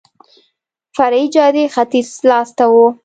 فرعي جادې ختیځ لاس ته وه.